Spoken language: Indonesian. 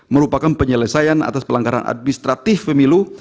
merupakan penyelesaian atas pelanggaran administratif pemilu